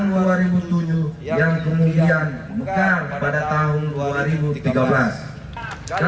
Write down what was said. kali ini terima kasih atas jasa besar kepada seluruh inisiato